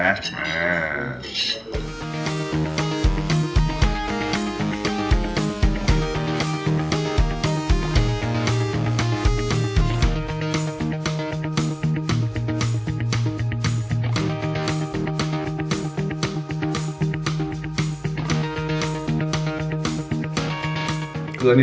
คืออันนี้ก็เหมือนที่